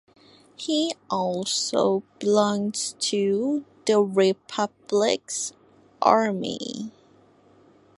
He also belongs to the Republics army.